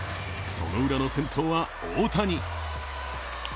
そのウラの先頭は大谷。